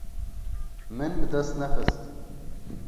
Min bi dest nexist.